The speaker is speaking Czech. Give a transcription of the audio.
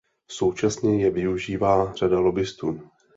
Současně je využívá řada lobbistů.